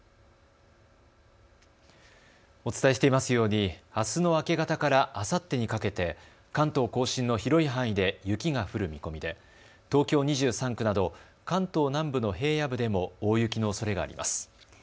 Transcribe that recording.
お伝えしていますようにあすの明け方からあさってにかけて関東甲信の広い範囲で雪が降る見込みで東京２３区など関東南部の平野部でも大雪のおそれがあります。